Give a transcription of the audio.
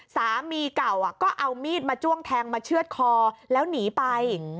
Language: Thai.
สามีเก่าก็เอามีดมาจ้วงแทงมาเชื่อดคอแล้วหนีไป